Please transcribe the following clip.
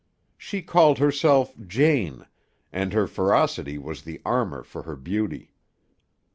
She called herself "Jane" and her ferocity was the armor for her beauty.